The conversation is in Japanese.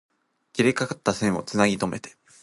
切れかかった線を繋ぎとめて